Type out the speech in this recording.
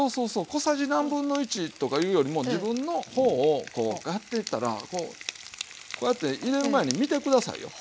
小さじ何分の１とかいうよりも自分の方をこうやっていったらこうやって入れる前に見て下さいよ。ね。